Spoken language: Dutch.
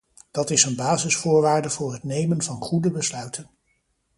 Dat is een basisvoorwaarde voor het nemen van goede besluiten.